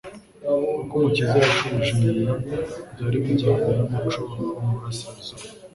Uko Umukiza yashubije nyina byari bijyanye n’umuco wo mu Burasirazuba.